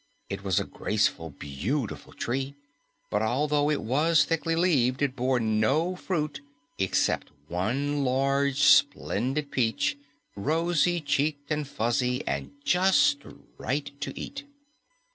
It was a graceful, beautiful tree, but although it was thickly leaved, it bore no fruit except one large, splendid peach, rosy cheeked and fuzzy and just right to eat.